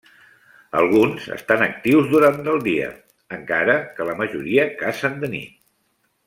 Alguns estan actius durant del dia, encara que la majoria cacen de nit.